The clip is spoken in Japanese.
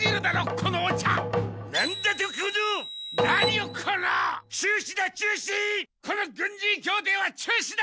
この軍事協定は中止だ！